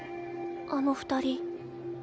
あの２人。